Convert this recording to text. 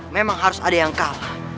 memang harus ada yang kalah